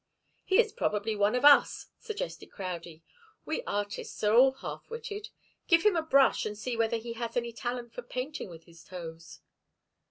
"He is probably one of us," suggested Crowdie. "We artists are all half witted. Give him a brush and see whether he has any talent for painting with his toes."